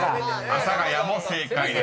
［「阿佐ケ谷」も正解です］